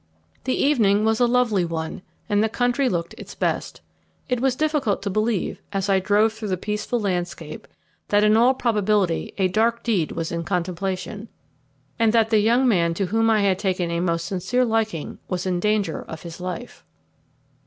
The evening was a lovely one, and the country looked its best. It was difficult to believe, as I drove through the peaceful landscape, that in all probability a dark deed was in contemplation, and that the young man to whom I had taken a most sincere liking was in danger of his life.